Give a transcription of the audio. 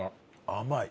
甘い。